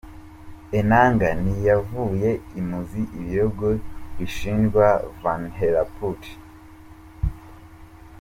Enanga ntiyavuye imuzi ibirego bishinjwa Vanhelleputte.